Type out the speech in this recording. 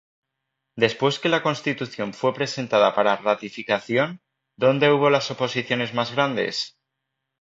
¿Después que la Constitución fue presentada para ratificación, donde hubo las oposiciones más grandes?